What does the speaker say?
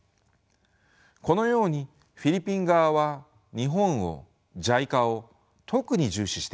このようにフィリピン側は日本をＪＩＣＡを特に重視しているのです。